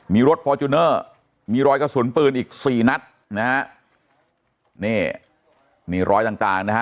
มีรถมีรอยกระสุนปืนอีกสี่นัดนะฮะนี่มีรอยต่างต่างนะฮะ